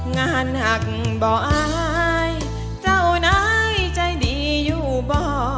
งานหักบ่ออายเจ้านายใจดีอยู่บ่อ